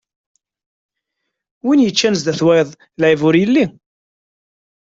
Win yeččan zdat wayeḍ, lɛib ur yelli.